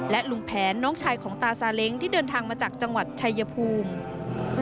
และลุงแผนน้องชายของตาซาเล้งที่เดินทางมาจากจังหวัดชายภูมิ